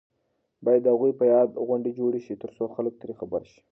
باید د هغوی په یاد غونډې جوړې شي ترڅو خلک ترې خبر شي.